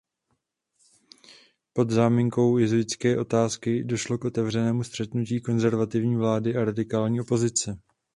Pod záminkou jezuitské otázky došlo k otevřenému střetnutí konzervativní vlády a radikální opozice.